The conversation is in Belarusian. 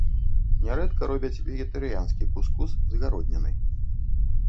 Нярэдка робяць вегетарыянскі кус-кус з гароднінай.